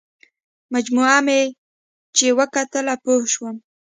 مجموعه مې چې وکتله پوه شوم.